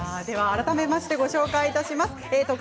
改めましてご紹介します。